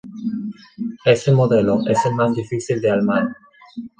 Este modelo es el más difícil de armar.